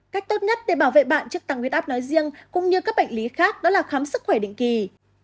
cách tốt nhất để bảo vệ bạn trước tăng huyết áp nói riêng cũng như các bệnh lý khác đó là khám sức khỏe định kỳ